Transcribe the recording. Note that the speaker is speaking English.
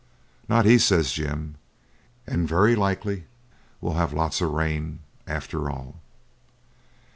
'Not he,' says Jim; 'and very likely we'll have lots of rain after all.'